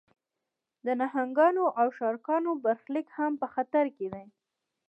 د نهنګانو او شارکانو برخلیک هم په خطر کې دی.